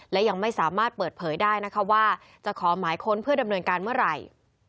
และยังไม่สามารถเปิดเผยได้นะคะว่าจะขอหมายค้นเพื่อดำเนินการเมื่อไหร่